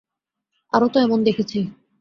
আরো তো এমন দেখেছি।